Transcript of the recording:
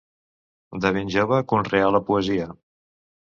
De ben jove, conreà la poesia.